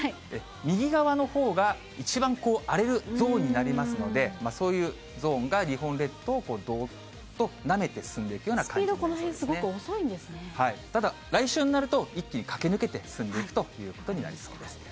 右側のほうが、一番荒れるゾーンになりますので、そういうゾーンが日本列島をどーっとなめて進んでいくような感じスピード、このへん、すごくはい、ただ来週になると、一気に駆け抜けて進んでいくということになりそうです。